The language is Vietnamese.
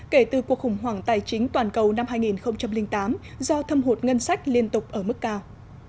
kể từ cuộc khủng hoảng tài chính toàn cầu năm hai nghìn tám do thâm hụt ngân sách liên tục ở mức cao